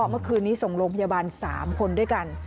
เมื่อคืนนี้ส่งโรงพยาบาล๓คนด้วยกัน